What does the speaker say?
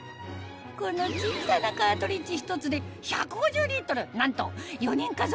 この小さなカートリッジひとつで１５０なんと４人家族